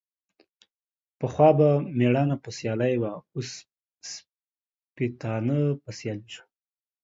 پخوا به ميړانه په سيالي وه ، اوس سپيتانه په سيالي سوه.